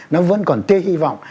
nó vẫn còn tia hy vọng